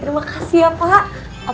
terima kasih ya pak